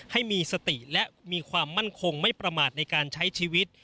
ให้มีสติและมีความมั่นคงไม่ประมาทในการใช้ชีวิต